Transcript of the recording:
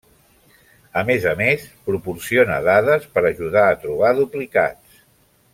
A més a més, proporciona dades per ajudar a trobar duplicats.